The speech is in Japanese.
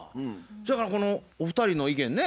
そやからこのお二人の意見ね